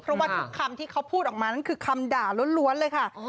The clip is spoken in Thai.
เพราะว่าทุกคำที่เขาพูดออกมานั่นคือคำด่าล้วนเลยค่ะ